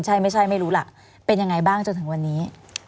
ใช่ไม่ใช่ไม่รู้ล่ะเป็นยังไงบ้างจนถึงวันนี้